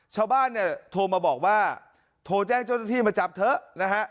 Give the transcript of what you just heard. ชาวบ้านเนี่ยโทรมาบอกว่าโทรแจ้งเจ้าหน้าที่มาจับเถอะนะฮะ